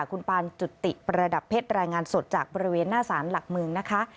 คุณปานจุติประดับเพชรรายงานสดจากบริเวณหน้าสารหลักเมืองนะคะ